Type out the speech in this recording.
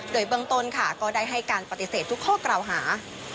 โดยเบื้องต้นค่ะก็ได้ให้การปฏิเสธทุกข้อกล่าวหา